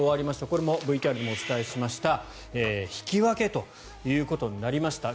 これもＶＴＲでもお伝えしました引き分けということになりました。